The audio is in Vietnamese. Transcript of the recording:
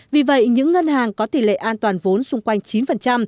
vì vậy những ngân hàng có tỷ lệ an toàn vốn xung quanh chín